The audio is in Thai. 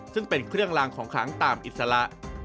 ซึ่งเป็นเครื่องลางของขังตามอิสระ